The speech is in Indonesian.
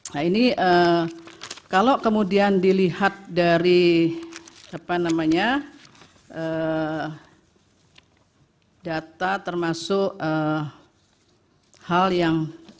nah ini kalau kemudian dilihat dari data termasuk hal yang